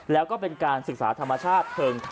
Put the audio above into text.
แล้วก็เป็นการศึกษาธรรมชาติเชิง